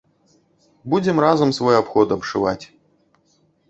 Будзем разам свой абход абшываць.